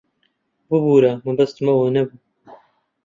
ببوورە، مەبەستم ئەوە نەبوو.